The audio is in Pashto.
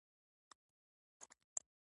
د انسان ذهن هم د تکامل هغه مقام ته رسېږي.